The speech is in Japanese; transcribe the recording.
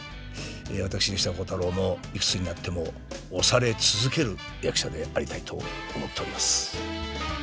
私吉田鋼太郎もいくつになっても推され続ける役者でありたいと思っております。